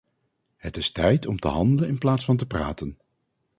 Het is tijd om te handelen in plaats van te praten.